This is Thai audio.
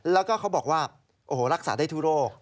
แล้วก็เขาบอกว่าโอ้โหรักษาได้ทั่วโรค